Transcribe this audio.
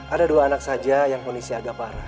ada dua anak saja yang kondisi agak parah